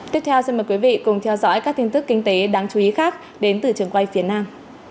chúng ta sẽ mời quý vị theo dõi các tin tức kinh tế đáng chú ý khác đến từ trường quay việt nam